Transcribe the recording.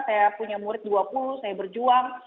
saya punya murid dua puluh saya berjuang